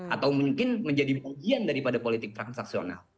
atau mungkin menjadi bagian daripada politik transaksional